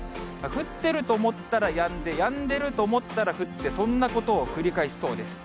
降ってると思ったらやんで、やんでると思ったら降って、そんなことを繰り返しそうです。